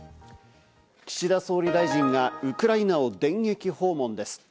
岸田総理大臣がウクライナを電撃訪問です。